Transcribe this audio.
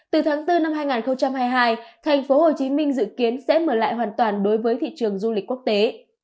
từ tháng bốn năm hai nghìn hai mươi hai thành phố hồ chí minh dự kiến sẽ mở lại hoàn toàn đối với thị trường du lịch quốc tế